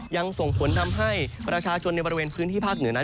ยังส่งผลทำให้ประชาชนในบริเวณพื้นที่ภาคเหนือนั้น